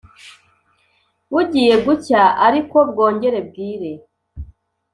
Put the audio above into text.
«Bugiye gucya, ariko bwongere bwire.